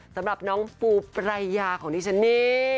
สำหรับน้องปูปรายยาของดิฉันนี่